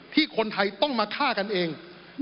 ที่คนไทยต้องมาฆ่ากันเอง